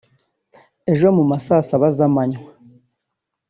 Ejo mu ma saa saba z’amanywa